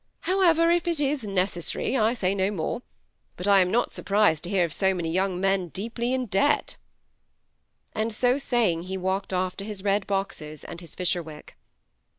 However, if it is necessary, I say no more ; but I am not surprised to hear of so many young men deeply in debt ;" and so saying he walked off to his red boxes and his Fisherwick.